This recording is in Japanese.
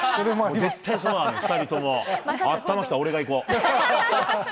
絶対そうなの、２人とも。あったまきた、俺も行こう。